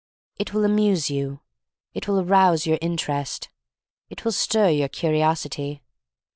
It will amuse you. It will arouse your interest. It will stir your curiosity.